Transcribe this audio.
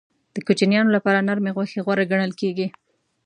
د کوچنیانو لپاره نرمې غوښې غوره ګڼل کېږي.